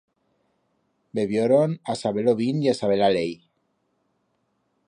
Bebioron a-saber-lo vin y a-saber-la leit.